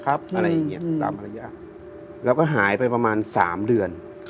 อะไรอย่างนี้ออกมาเราก็หายไปประมาณสามเดือน